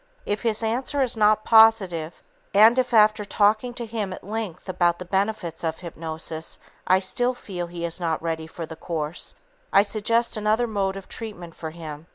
If his answer is not positive, and if after talking to him at length about the benefits of hypnosis, I still feel he is not ready for the course, I suggest another mode of treatment for him.